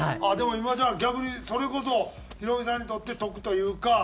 でも今じゃあ逆にそれこそヒロミさんにとって得というか。